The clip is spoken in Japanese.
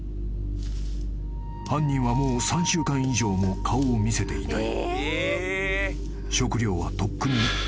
［犯人はもう３週間以上も顔を見せていない］